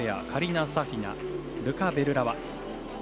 カリナ・サフィナとルカ・ベルラワ。